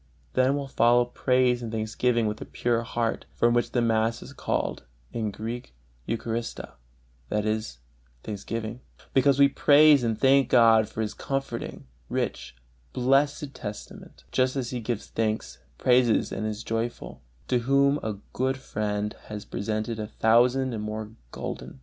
Then will follow praise and thanksgiving with a pure heart, from which the mass is called in Greek Eucharistia, that is, "thanksgiving," because we praise and thank God for this comforting, rich, blessed testament, just as he gives thanks, praises and is joyful, to whom a good friend has presented a thousand and more gulden.